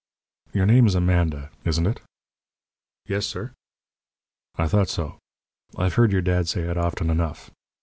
"Your name's Amanda, isn't it?" "Yes, sir." "I thought so. I've heard your dad say it often enough.